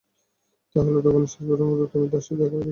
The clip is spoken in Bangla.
তাহলে, তখনই শেষবারের মতো তুমি তার সাথে দেখা করেছিলে?